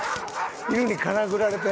犬にかなぐられたやつ？